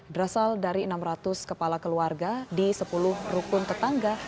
berasal dari enam ratus kepala keluarga di sepuluh rukun tetangga